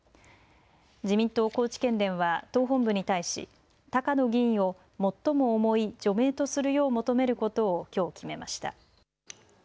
自民党高知県連は党本部に対し高野議員を最も重い除名とするよう求めることをきょう決めました。